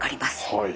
はい。